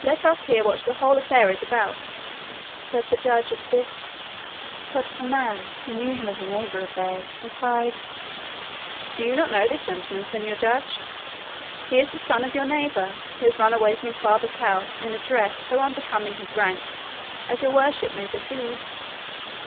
"Let us hear what the whole affair is about," said the Judge at this; but the man, who knew him as a neighbour of theirs, replied, "Do you not know this gentleman, Señor Judge? He is the son of your neighbour, who has run away from his father's house in a dress so unbecoming his rank, as your worship may perceive."